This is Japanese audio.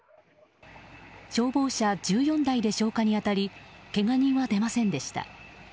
消防車１４台で消火に当たりけが人は出ませんでした。